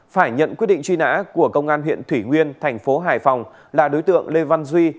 phải nhận quyết định truy nã của công an huyện thủy nguyên thành phố hải phòng là đối tượng lê văn duy